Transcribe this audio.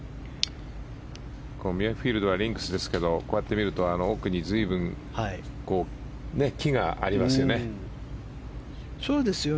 ミュアフィールドはリンクスですけどこうやって見ると奥に随分、木がありますよね。